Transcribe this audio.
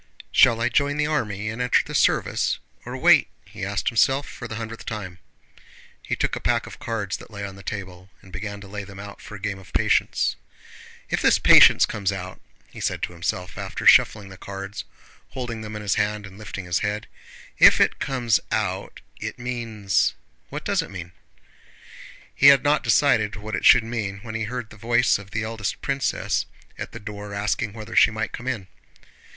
"Shall I join the army and enter the service, or wait?" he asked himself for the hundredth time. He took a pack of cards that lay on the table and began to lay them out for a game of patience. "If this patience comes out," he said to himself after shuffling the cards, holding them in his hand, and lifting his head, "if it comes out, it means... what does it mean?" He had not decided what it should mean when he heard the voice of the eldest princess at the door asking whether she might come in.